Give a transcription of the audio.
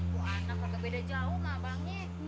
bu anaknya beda jauh gak abangnya